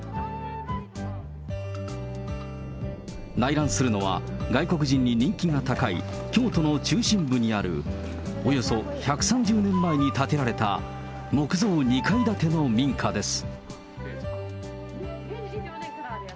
内覧するのは、外国人に人気が高い、京都の中心部にある、およそ１３０年前に建てられた木造２階建ての民家です。